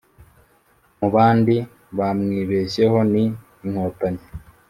Mu bandi bamwibeshyeho ni Inkotanyi